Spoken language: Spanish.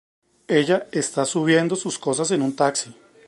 Ella está subiendo sus cosas en un taxi.